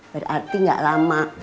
berarti enggak lama